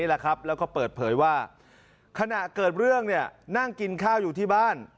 แล้วก็เปิดเผยว่าขณะเกิดเรื่องเนี่ยนั่งกินข้าวอยู่ที่บ้าน